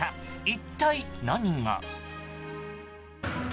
一体何が。